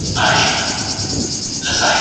شپانه مړ سو شپېلۍ ماته اوس نغمه له کومه راوړو.